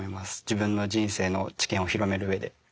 自分の人生の知見を広めるうえで。